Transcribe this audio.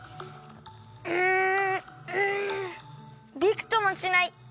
うんんビクともしない！